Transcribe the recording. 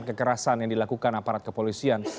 kekerasan yang dilakukan aparat kepolisian